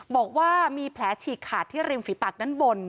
บอกว่ามีแผลฉีกขาดที่เร็งฝิบัรตินั้นบน